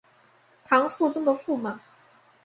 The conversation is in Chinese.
唐肃宗的驸马。